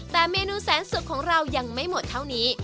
แต่เมนูแสนสุกของเรายังไม่หมดเท่านี้